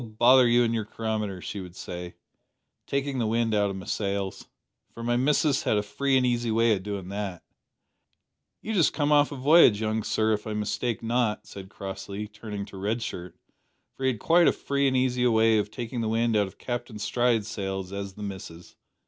bother you an' your chronometer,' she would reply, takin' the wind out o' my sails for my missus has a free an' easy way o' doin' that " "You've just come off a voyage, young sir, if I mistake not," said Crossley, turning to Red Shirt, for he had quite as free and easy a way of taking the wind out of Captain Stride's sails as the "missus."